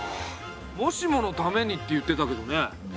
「もしものために」って言ってたけどね。